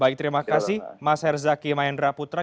baik terima kasih mas zaky maendra putra